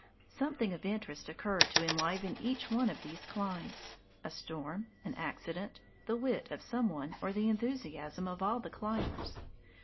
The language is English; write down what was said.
Something of interest occurred to enliven each one of these climbs: a storm, an accident, the wit of some one or the enthusiasm of all the climbers.